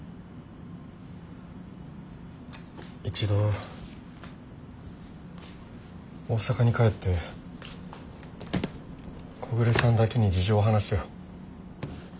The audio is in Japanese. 一度大阪に帰って木暮さんだけに事情を話すよ。